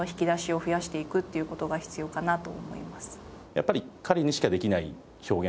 やっぱり彼にしかできない表現。